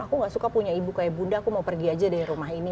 aku tidak suka punya ibu seperti bunda aku mau pergi saja dari rumah ini